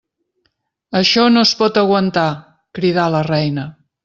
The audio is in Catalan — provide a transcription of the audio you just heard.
Això no es pot aguantar! —cridà la reina—.